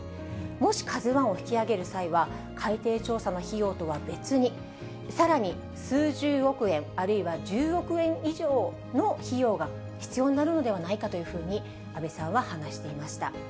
もしカズワンを引き揚げる際は、海底調査の費用とは別に、さらに数十億円、あるいは１０億円以上の費用が必要になるのではないかというふうに、安倍さんは話していました。